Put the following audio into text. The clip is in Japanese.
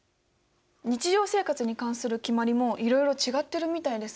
日常生活に関する決まりもいろいろ違ってるみたいです。